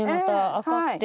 赤くて。